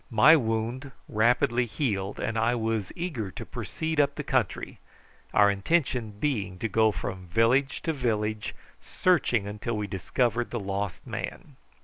My wound rapidly healed, and I was eager to proceed up the country, our intention being to go from village to village searching until we discovered the lost man.